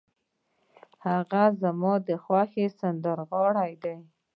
هغه زما د خوښې سندرغاړی دی.